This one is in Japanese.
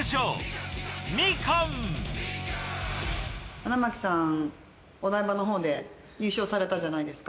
荒牧さんお台場のほうで優勝されたじゃないですか。